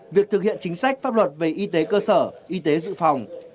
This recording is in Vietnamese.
việc thực hiện chính sách pháp luật về y tế cơ sở y tế dự phòng